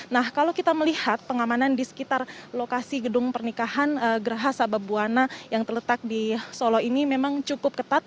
nah kalau kita melihat pengamanan di sekitar lokasi gedung pernikahan geraha sababwana yang terletak di solo ini memang cukup ketat